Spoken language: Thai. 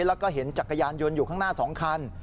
แล้วก็เห็นจักรยานยนต์อยู่ข้างหน้า๒คัน